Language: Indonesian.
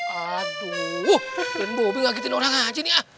aduh mbak bobi ngagetin orang aja nih